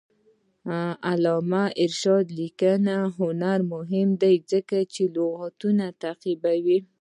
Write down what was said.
د علامه رشاد لیکنی هنر مهم دی ځکه چې لغتونه تعقیبوي.